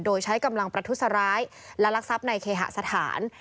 โดยใช้กำลังประทุษร้ายและรักทรัพย์ในเคหสถาน